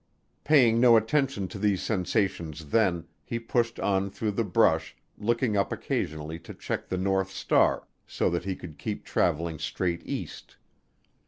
Paying no attention to these sensations then, he pushed on through the brush, looking up occasionally to check the north star, so that he could keep traveling straight east.